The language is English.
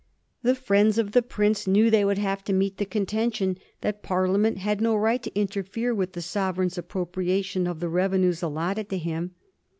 The friends of the prince knew they would have to meet the contention that Parliament had no right to interfere with the Sovereign's appropriation of the revenues allotted to him.